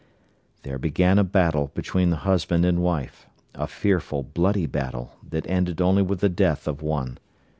There began a battle between the husband and wife—a fearful, bloody battle that ended only with the death of one.